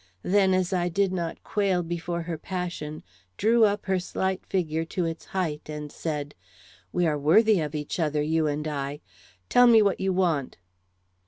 Then as I did not quail before her passion, drew up her slight figure to its height and said: "We are worthy of each other, you and I. Tell me what you want."